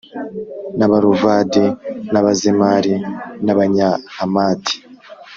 n Abaruvadi n Abazemari n Abanyahamati